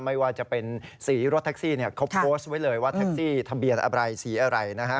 ไม่ว่าจะเป็นสีรถแท็กซี่เขาโพสต์ไว้เลยว่าแท็กซี่ทะเบียนอะไรสีอะไรนะฮะ